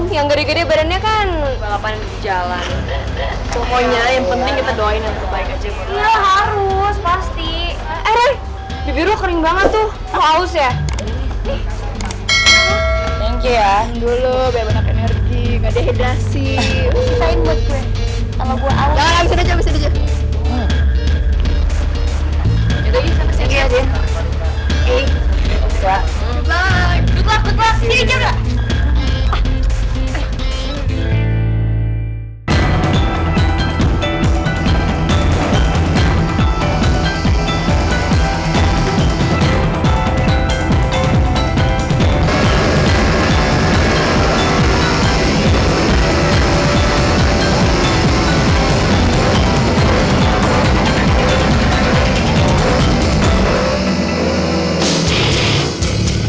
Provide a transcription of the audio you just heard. yang gede gede badannya kan